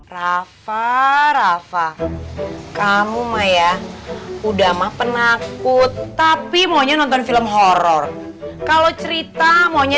rafa rafa kamu mah ya udah mah penakut tapi maunya nonton film horror kalau cerita maunya